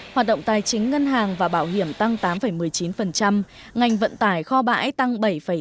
hoạt động tài chính ngân hàng và bảo hiểm tăng tám một mươi chín ngành vận tải kho bãi tăng bảy tám